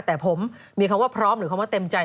แต่ผมมีคำว่าพร้อมหรือคำว่าเต็มใจ